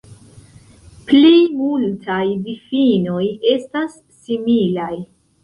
Plej multaj difinoj estas similaj.